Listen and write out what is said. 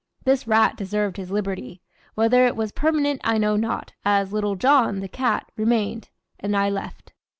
This rat deserved his liberty. Whether it was permanent I know not, as "Little john," the cat, remained, and I left.